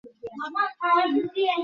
খাবার শেষে পান সুপারি খাওয়ার প্রচলন আছে।